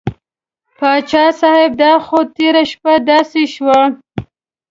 پاچا صاحب دا خو تېره شپه داسې شوه.